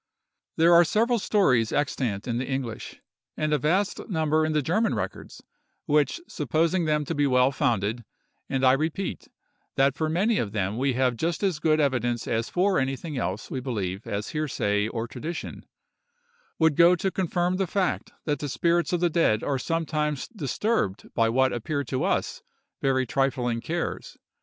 There are several stories extant in the English, and a vast number in the German records, which, supposing them to be well founded—and I repeat, that for many of them we have just as good evidence as for anything else we believe as hearsay or tradition—would go to confirm the fact that the spirits of the dead are sometimes disturbed by what appear to us very trifling cares.